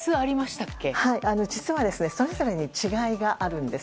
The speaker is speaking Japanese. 実はそれぞれに違いがあるんです。